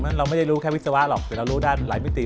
ฉะนั้นเราไม่ได้รู้แค่วิศวะหรอกแต่เรารู้ด้านหลายมิตรี